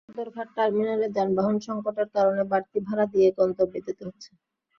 সদরঘাট টার্মিনালে যানবাহন সংকটের কারণে বাড়তি ভাড়া দিয়ে গন্তব্যে যেতে হচ্ছে।